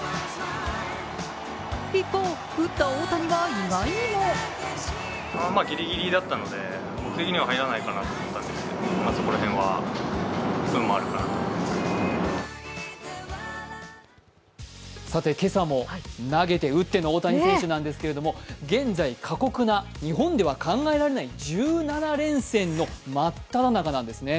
一方、打った大谷は意外にもさて今朝も投げて打ってもの大谷選手なんですけれども、現在、過酷な日本では考えられない１７連戦の真っただ中なんですね。